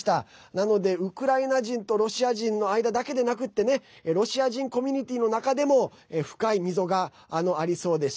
なのでウクライナ人とロシア人の間だけでなくってねロシア人コミュニティーの中でも深い溝がありそうです。